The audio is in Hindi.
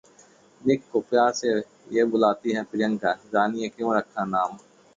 निक को प्यार से ये बुलाती हैं प्रियंका, जानिए क्यों रखा नाम